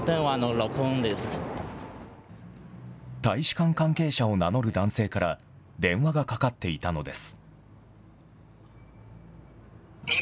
大使館関係者を名乗る男性から電話がかかっていたのです。